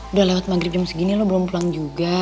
udah lewat maghrib jam segini lo belum pulang juga